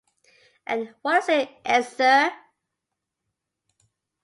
And what is it, Esther?